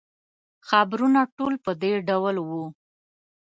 خبرونه ټول په دې ډول وو.